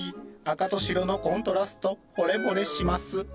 赤と白のコントラストほれぼれします。